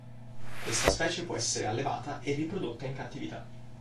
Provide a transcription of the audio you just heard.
Questa specie può essere allevata e riprodotta in cattività.